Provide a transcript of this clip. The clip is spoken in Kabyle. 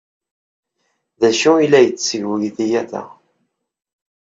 D acu ay la yetteg uydi-a da?